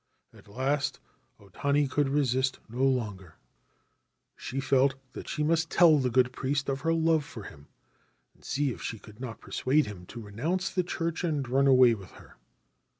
' At last O Tani could resist no longer. She felt that she must tell the good priest of her love for him, and see if she could not persuade him to renounce the Church and run away with her.